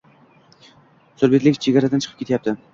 Surbetlik chegaradan chiqib ketyapti.